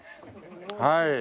はい。